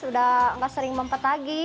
sudah nggak sering mempet lagi